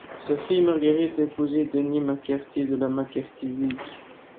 Sa fille Marguerite a épousé Denis MacCarthy de la MacCarthy Reagh.